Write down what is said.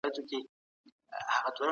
ایا ملي بڼوال ممیز ساتي؟